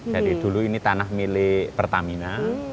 jadi dulu ini tanah milik pertamina